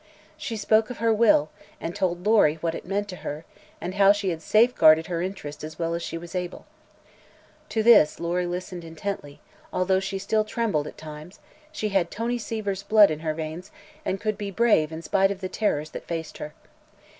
She spoke of her will, and told Lory what it meant to her and how she had safe guarded her interests as well as she was able. To this Lory listened intently and, although she still trembled at times, she had Tony Seaver's blood in her veins and could be brave in spite of the terrors that faced her.